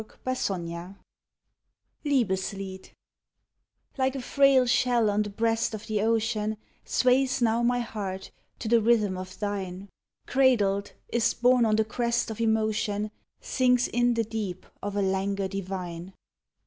LIEBESLIEDER LIEBESLIED Like a frail shell on the breast of the ocean Sways now my heart to the rhythm of thine! Cradled, is borne on the crest of emotion, Sinks in the deep of a languor divine!